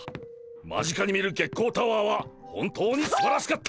間近に見る月光タワーは本当にすばらしかった！